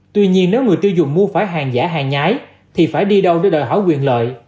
tuy nhiên nếu người tiêu dùng mua phải hàng giả hàng nhái thì phải đi đâu để đòi hỏi quyền lợi